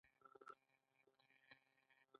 هغه د باران پر څنډه ساکت ولاړ او فکر وکړ.